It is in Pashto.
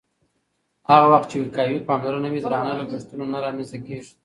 هغه وخت چې وقایوي پاملرنه وي، درانه لګښتونه نه رامنځته کېږي.